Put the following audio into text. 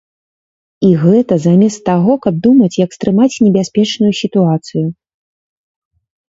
І гэта замест таго, каб думаць, як стрымаць небяспечную сітуацыю.